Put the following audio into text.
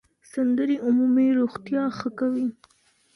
سندرې عمومي روغتیا ښه کوي.